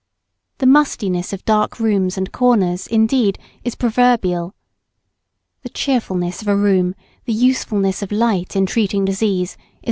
The mustiness of dark rooms and corners, indeed, is proverbial. The cheerfulness of a room, the usefulness of light in treating disease is all important.